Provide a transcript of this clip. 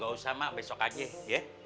gak usah mak besok aja ya